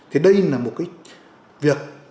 thì đây là một việc